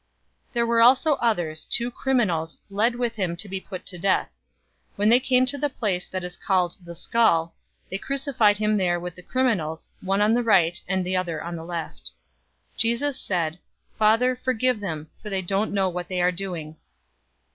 023:032 There were also others, two criminals, led with him to be put to death. 023:033 When they came to the place that is called The Skull, they crucified him there with the criminals, one on the right and the other on the left. 023:034 Jesus said, "Father, forgive them, for they don't know what they are doing."